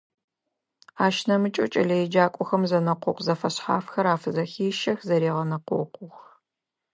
Ащ нэмыкӀэу кӀэлэеджакӀохэм зэнэкъокъу зэфэшъхьафхэр афызэхещэх, зэрегъэнэкъокъух.